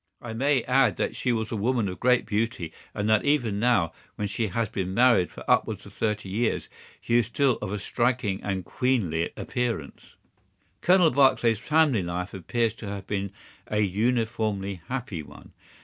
I may add that she was a woman of great beauty, and that even now, when she has been married for upwards of thirty years, she is still of a striking and queenly appearance. "Colonel Barclay's family life appears to have been a uniformly happy one.